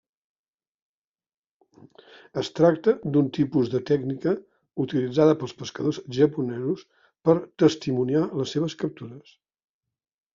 Es tracta d'un tipus de tècnica utilitzada pels pescadors japonesos per testimoniar les seves captures.